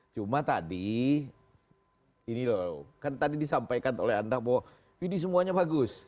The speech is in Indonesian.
cuma tadi ini loh kan tadi disampaikan oleh anda bahwa ini semuanya bagus